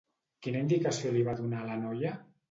Quina indicació li va donar a la noia?